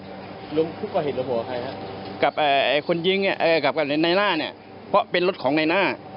อีกทีนึงกับคนยิงกับในหน้าเนี่ยเพราะเป็นรถของในหน้า